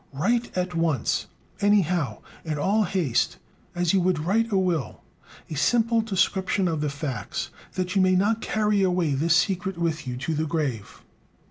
Write at once, anyhow, in all haste, as you would write a will, a simple description of the facts, that you may not carry away this secret with you to the grave."